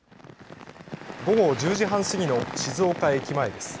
午後１０時半過ぎの静岡駅前です。